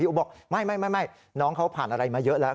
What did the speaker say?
อู๋บอกไม่น้องเขาผ่านอะไรมาเยอะแล้ว